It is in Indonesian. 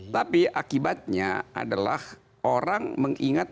tapi akibatnya adalah orang mengingat